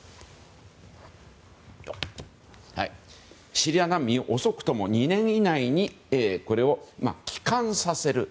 シリア難民を遅くとも２年以内に帰還させる。